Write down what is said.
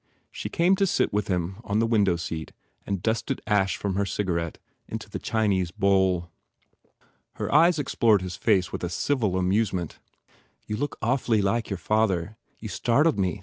She came to sit with him on the window seat and dusted ash from her cigarette into the Chinese bowl. Her eyes explored his face with a civil amusement. "You look awfully like your father. You startled me.